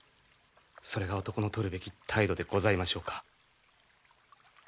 それが男のとるべき態度でございましょうか。